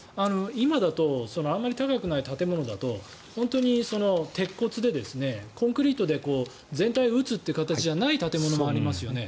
今だとあんまり高くない建物だと鉄骨で、コンクリートで全体を打つという形じゃない建物もありますよね。